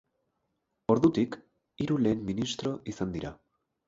Ordutik, hiru lehen ministro izan dira.